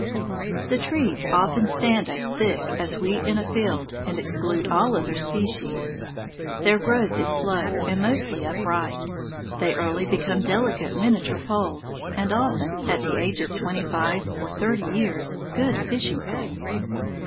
The trees often stand as thick as wheat in a field and exclude all other species. Their growth is slow and mostly upright. They early become delicate miniature poles, and often, at the age of twenty five or thirty years, good fishing poles.